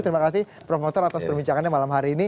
terima kasih prof motor atas perbincangannya malam hari ini